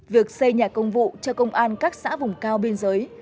việc xây nhà công vụ cho công an các xã vùng cao biên giới